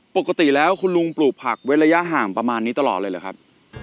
ปกติแล้วคุณลุงปลูกผักเว้นระยะห่างประมาณนี้ตลอดเลยหรือครับ